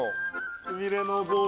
すみれの雑炊。